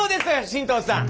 神藤さん。